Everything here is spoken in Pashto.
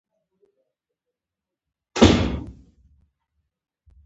روژه د بدن د روغتیا لامل کېږي.